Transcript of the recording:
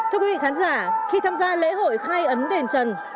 thưa quý vị khán giả khi tham gia lễ hội khai ấn đền trần